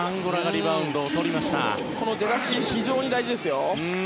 この出だし、非常に大事ですよ。